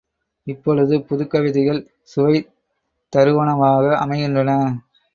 இப்பொழுது புதுக்கவிதைகள் சுவை தருவனவாக அமைகின்றன.